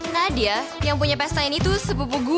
nadia yang punya pesta ini tuh sepupu gue